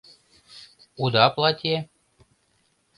Уда платье?